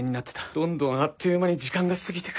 どんどんあっという間に時間が過ぎてく。